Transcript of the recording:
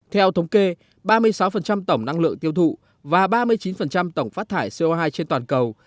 theo thống kê ba mươi sáu tổng năng lượng tiêu thụ và ba mươi chín tổng phát thải co hai trên toàn cầu